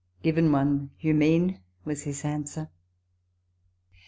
" Given one, you mean," was his answer.